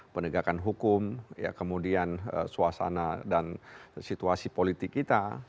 penegakan hukum kemudian suasana dan situasi politik kita